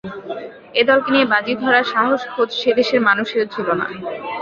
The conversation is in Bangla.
এ দলকে নিয়ে বাজি ধরার সাহস খোদ সে দেশের মানুষেরও ছিল না।